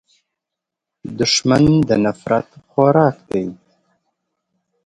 دښمن د نفرت خوراک دی